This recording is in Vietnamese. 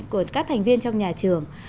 của các thành viên trong nhà trường